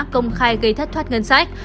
để thất thoát ngân sách